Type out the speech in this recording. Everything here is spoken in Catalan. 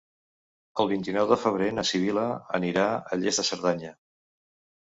El vint-i-nou de febrer na Sibil·la anirà a Lles de Cerdanya.